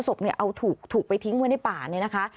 ศพเนี่ยเอาถูกไปทิ้งไว้ในป่าเนี่ยนะคะ